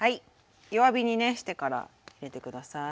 弱火にねしてから入れて下さい。